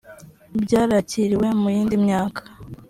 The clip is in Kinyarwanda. byarakiriwe mu yindi myaka